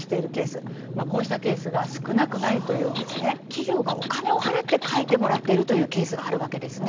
企業がお金を払って書いてもらっているというケースがあるわけですね。